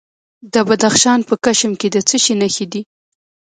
د بدخشان په کشم کې د څه شي نښې دي؟